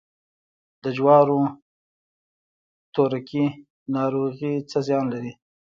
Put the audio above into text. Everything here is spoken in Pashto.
د جوارو تورکي ناروغي څه زیان لري؟